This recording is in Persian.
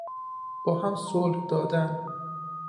با هم صلح دادن